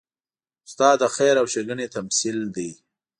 استاد د خیر او ښېګڼې تمثیل دی.